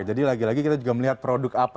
oke jadi lagi lagi kita juga melihat produk apa